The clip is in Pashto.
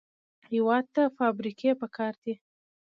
هېواد ته فابریکې پکار دي